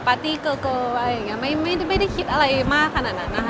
ปาร์ตี้เกลอไม่ได้คิดอะไรมากขนาดนั้นนะคะ